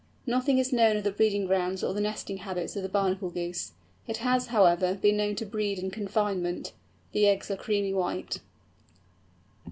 Nothing is known of the breeding grounds or the nesting habits of the Bernacle Goose. It has, however, been known to breed in confinement. The eggs are creamy white.